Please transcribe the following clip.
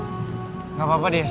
nggak apa apa des